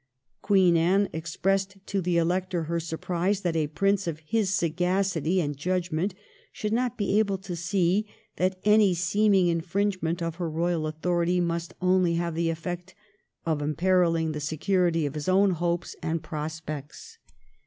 Queen Anne expressed to the Elector her surprise that a Prince of his sagacity and judgment should not be able to see that any seeming infringement of her royal authority must only have the effect of imperilling the security of his own hopes and prospects.